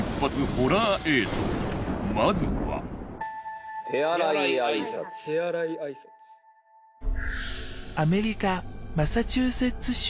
ホラー映像まずはアメリカマサチューセッツ州